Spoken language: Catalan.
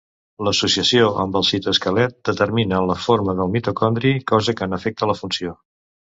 L'associació amb el citoesquelet determina la forma del mitocondri, cosa que n'afecta la funció.